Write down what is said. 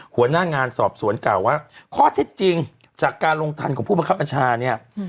หัวหน้างานสอบสวนกล่าวว่าข้อเท็จจริงจากการลงทันของผู้บังคับอัญชาเนี่ย